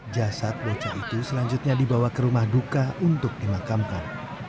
jasad bocah itu selanjutnya dibawa ke rumah duka untuk dimakamkan